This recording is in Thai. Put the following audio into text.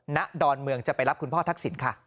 ดอนเมืองจะไปรับคุณพ่อทักษิณค่ะ